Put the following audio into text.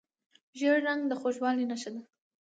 ژیړ رنګ د خوږوالي نښه ده.